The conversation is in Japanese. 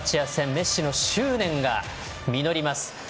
メッシの執念が実ります。